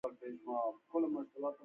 دوی خپل وکیلان د شاه کمپ ته لېږلي ول.